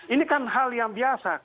ini kan hal yang biasa